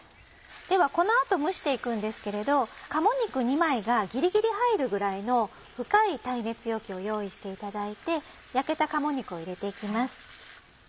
ではこの後蒸して行くんですけれど鴨肉２枚がギリギリ入るぐらいの深い耐熱容器を用意していただいて焼けた鴨肉を入れて行きます。